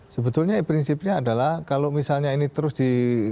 sebetulnya prinsipnya adalah kalau misalnya ini terus di